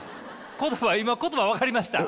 今言葉分かりました？